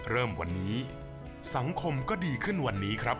เริ่มวันนี้สังคมก็ดีขึ้นวันนี้ครับ